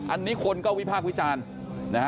อันนี้คนก็วิพากษ์วิจารณ์นะฮะ